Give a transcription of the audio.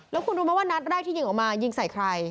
แล้วคุณรู้ไหมว่านัดแรกที่ยิงออกมายิงใส่ใคร